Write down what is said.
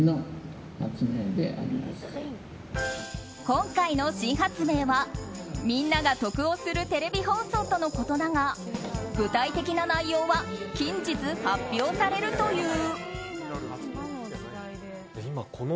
今回の新発明はみんなが得をするテレビ放送ということなのだが具体的な内容は近日発表されるという。